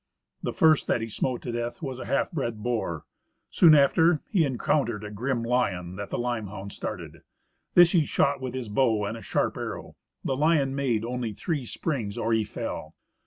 The first that he smote to the death was a half bred boar. Soon after, he encountered a grim lion, that the limehound started. This he shot with his bow and a sharp arrow; the lion made only three springs or he fell.